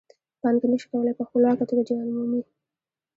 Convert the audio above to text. پانګه نشي کولای په خپلواکه توګه جریان ومومي